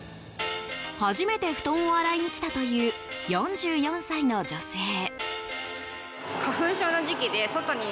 初めて布団を洗いにきたという４４歳の女性。